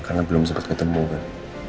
karena belum sempet ketemu kan